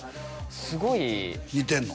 すごい似てんの？